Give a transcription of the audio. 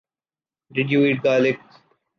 Did you eat garlic?